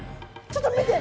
ちょっと見て！